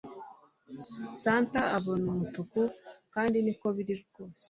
Santa abona umutuku kandi niko biri rwose